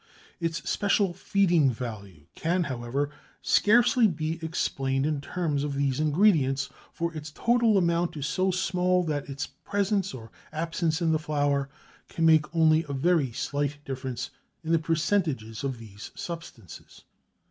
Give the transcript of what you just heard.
Its special feeding value can, however, scarcely be explained in terms of these ingredients, for its total amount is so small that its presence or absence in the flour can make only a very slight difference in the percentages of these substances.